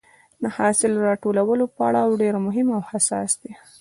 د حاصل راټولولو پړاو ډېر مهم او حساس دی.